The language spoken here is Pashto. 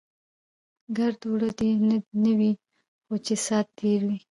ګړد وړه دی نه وي، خو چې سات تیر وي.